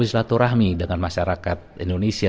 selatu rahmi dengan masyarakat indonesia